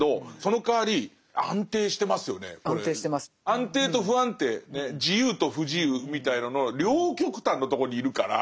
安定と不安定自由と不自由みたいのの両極端のとこにいるから。